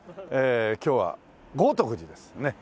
今日は豪徳寺ですね。